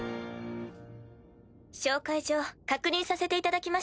紹介状確認させていただきました。